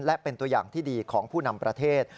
และเป็นตัวอย่างที่ดีของผู้นำประเทศ